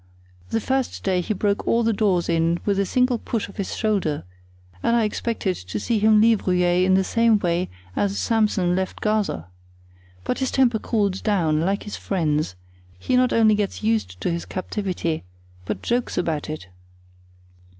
The first day he broke all the doors in with a single push of his shoulder; and I expected to see him leave Rueil in the same way as Samson left Gaza. But his temper cooled down, like his friend's; he not only gets used to his captivity, but jokes about it."